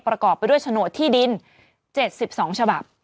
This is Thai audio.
ประกอบไปด้วยโฉนดที่ดิน๗๒ฉบับ